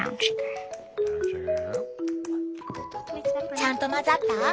ちゃんと混ざった？